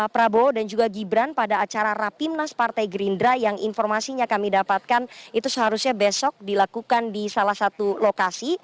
prabowo dan juga gibran pada acara rapimnas partai gerindra yang informasinya kami dapatkan itu seharusnya besok dilakukan di salah satu lokasi